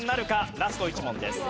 ラスト１問です。